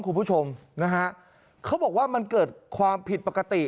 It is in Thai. คุณผู้ชมนะฮะเขาบอกว่ามันเกิดความผิดปกติ